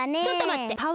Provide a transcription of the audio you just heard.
ちょっとまって！